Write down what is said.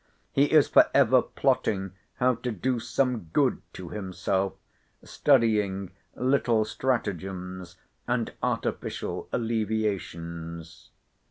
He is for ever plotting how to do some good to himself; studying little stratagems and artificial alleviations.